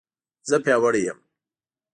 زه پیاوړې یم